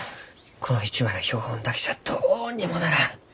この一枚の標本だけじゃどうにもならん。